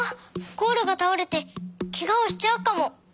ゴールがたおれてケガをしちゃうかも。